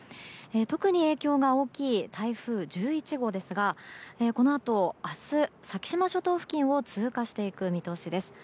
特に影響が大きい台風１１号ですがこのあと明日、先島諸島付近を通過していく見通しです。